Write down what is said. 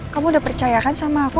kamu udah percaya kan sama aku